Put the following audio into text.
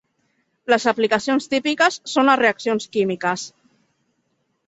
Les aplicacions típiques són a reaccions químiques.